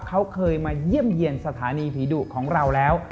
เขาเคยมาเยี่ยมเยี่ยมสถานีผีดุของเราแล้ว